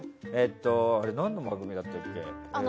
あれ、何の番組だっけ。